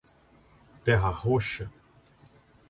Terra Roxa